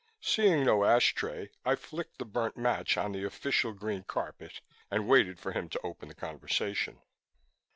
Seeing no ash tray, I flicked the burnt match on the official green carpet and waited for him to open the conversation.